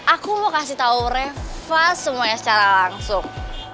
aku mau kasih tau reva semuanya secara langsung